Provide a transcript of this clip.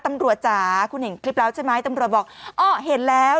จ๋าคุณเห็นคลิปแล้วใช่ไหมตำรวจบอกอ้อเห็นแล้ว